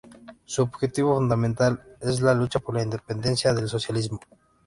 Su objetivo fundamental es la lucha por la independencia y el socialismo.